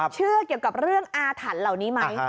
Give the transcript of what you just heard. เชื่อเกี่ยวกับเรื่องอาถรรพ์เหล่านี้ไหม